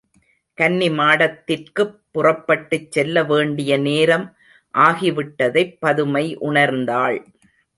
கன்னிமாடத்திற்குப் புறப்பட்டுச் செல்லவேண்டிய நேரம் ஆகி விட்டதைப் பதுமை உணர்ந்தாள்.